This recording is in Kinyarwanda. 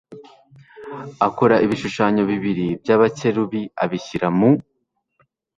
akora ibishushanyo bibiri by abakerubi abishyira mu